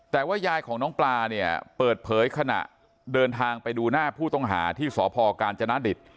แต่ว่ายายของน้องปลาเนี่ยเปิดเผยขณะเดินทางไปดูหน้าผู้ต้องหาที่สพกาญจนดิต